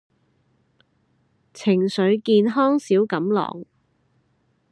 情緒健康小錦囊